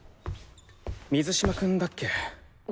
水嶋君だっけ？